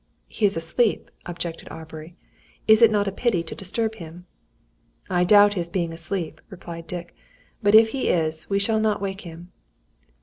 "He is asleep," objected Aubrey. "Is it not a pity to disturb him?" "I doubt his being asleep," replied Dick. "But if he is, we shall not wake him."